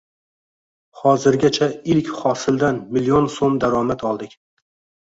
Hozirgacha ilk hosildan million so‘m daromad oldik.